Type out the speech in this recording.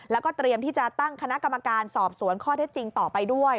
แล้วก็เตรียมที่จะตั้งคณะกรรมการสอบสวนข้อเท็จจริงต่อไปด้วย